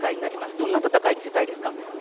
どんな戦いを見せたいですか？